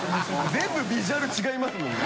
全部ビジュアル違いますもんね。